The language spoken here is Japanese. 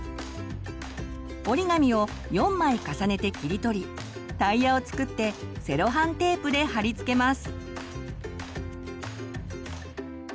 折り紙を４枚重ねて切り取りタイヤを作ってセロハンテープで貼り付けます。